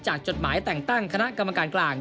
จดหมายแต่งตั้งคณะกรรมการกลาง